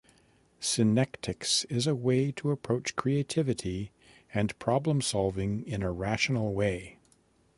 Synectics is a way to approach creativity and problem-solving in a rational way.